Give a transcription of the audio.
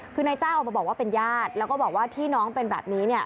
คือนายจ้างออกมาบอกว่าเป็นญาติแล้วก็บอกว่าที่น้องเป็นแบบนี้เนี่ย